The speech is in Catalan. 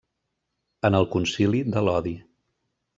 En el concili de Lodi.